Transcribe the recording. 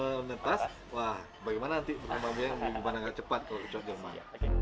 kalau menetas wah bagaimana nanti kembangnya bagaimana cepat kalau kecoa jerman